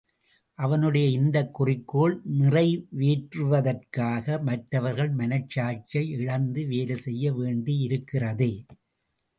அவனுடைய இந்தக் குறிக்கோள் நிறைவேறுவதற்காக மற்றவர்கள் மனசாட்சியை இழந்து வேலைசெய்ய வேண்டியிருக்கிறதே?